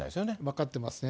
分かってますね。